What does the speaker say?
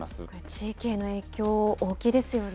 地域への影響、大きいですよね。